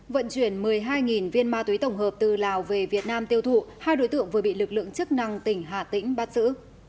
vận chuyển một mươi hai viên ma túy tổng hợp từ lào về việt nam tiêu thụ hai đối tượng vừa bị lực lượng chức năng tỉnh hà tĩnh bắt giữ